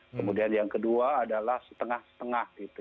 kemudian yang kedua adalah setengah setengah gitu